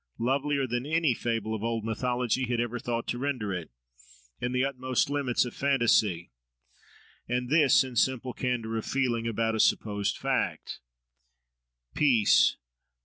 lovelier than any fable of old mythology had ever thought to render it, in the utmost limits of fantasy; and this, in simple candour of feeling about a supposed fact. Peace!